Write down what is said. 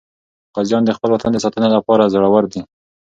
غازیان د خپل وطن د ساتنې لپاره زړور دي.